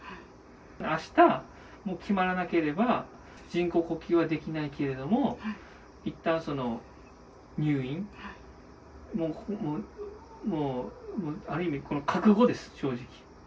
あしたもう決まらなければ、人工呼吸はできないけれども、いったん、入院、もうある意味、覚悟です、正直。